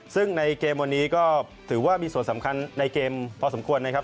ซึ่งในเกมวันนี้ก็ถือว่ามีส่วนสำคัญในเกมพอสมควรนะครับ